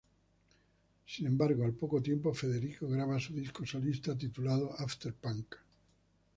Sin embargo, al poco tiempo, Federico graba su disco solista titulado "After Punk".